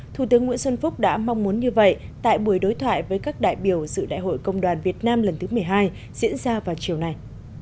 thủ tướng nguyễn xuân phúc đã mong muốn như vậy tại buổi đối thoại với các đại biểu dự đại hội công đoàn việt nam lần thứ một mươi hai diễn ra vào chiều này